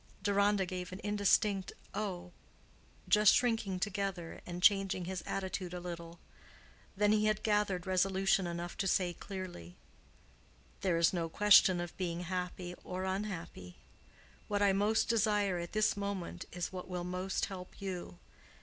Deronda gave an indistinct "Oh," just shrinking together and changing his attitude a little. Then he had gathered resolution enough to say clearly, "There is no question of being happy or unhappy. What I most desire at this moment is what will most help you.